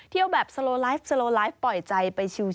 เที่ยวแบบสโลไลฟ์สโลไลฟ์ปล่อยใจไปชิว